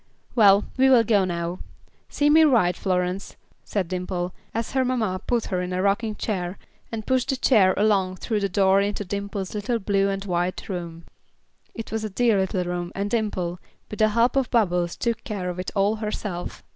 "Well, we will go now. See me ride, Florence," said Dimple, as her mamma put her in a rocking chair and pushed the chair along through the door into Dimple's little blue and white room. It was a dear little room, and Dimple, with the help of Bubbles, took care of it all herself.